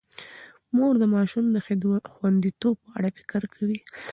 مور د ماشومانو د خوندیتوب په اړه فکر کوي.